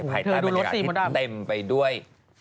เธอดูรถสีมด้ำบ๊วยบ๊วยบ๊วยภายใต้บรรยากาศที่เต็มไปด้วย